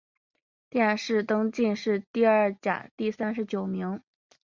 殿试登进士第二甲第三十九名。